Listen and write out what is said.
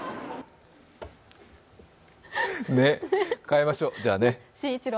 変えましょう、じゃあね。